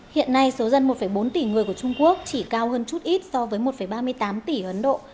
hiện nay số dân một bốn tỷ người của trung quốc chỉ cao hơn chút ít so với một ba mươi tám tỷ ấn độ